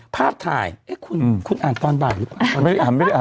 ภาพถ่ายคุณอ่านตอนบ่ายหรือเปล่า